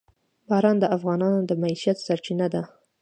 باران د افغانانو د معیشت سرچینه ده.